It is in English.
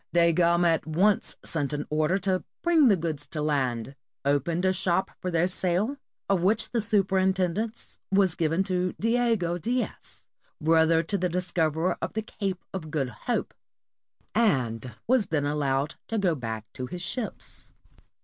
Da Gama at once sent an order to bring the goods to land, opened a shop for their sale, of which the superintendence was given to Diego Dias, brother to the discoverer of the Cape of Good Hope, and was then allowed to go back to his ships.